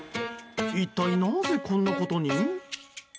一体なぜこんなことに？